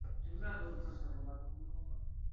Imon-e’tiqod insonni baxtli qiluvchi asosiy omildir.